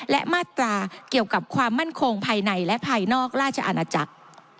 และมาตราเกี่ยวกับความมั่นคงภายในและภายนอกราชอาณาจักร